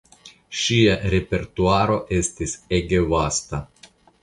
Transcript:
Ŝia repertuaro estis ege vasta.